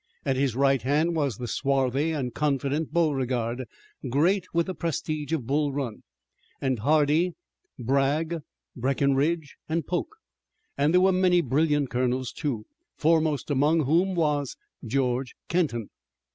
At his right hand was the swarthy and confident Beauregard, great with the prestige of Bull Run, and Hardee, Bragg, Breckinridge and Polk. And there were many brilliant colonels, too, foremost among whom was George Kenton.